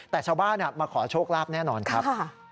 แต่ชาวบ้านมาขอโชคลาภแน่นอนครับ